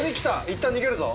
いったん逃げるぞ！